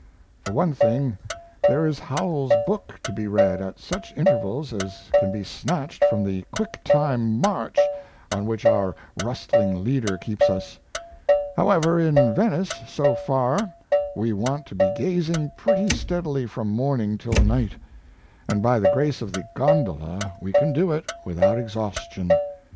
For one thing, there is Howells's book to be read at such intervals as can be snatched from the quick time march on which our rustling leader keeps us. However, in Venice so far we want to be gazing pretty steadily from morning till night, and by the grace of the gondola we can do it without exhaustion.